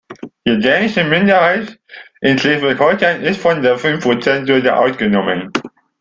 Die dänische Minderheit in Schleswig-Holstein ist von der Fünfprozenthürde ausgenommen.